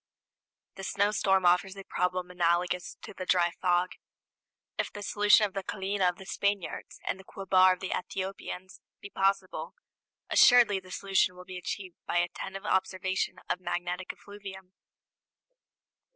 The snowstorm offers a problem analogous to the dry fog. If the solution of the callina of the Spaniards and the quobar of the Ethiopians be possible, assuredly that solution will be achieved by attentive observation of magnetic effluvium.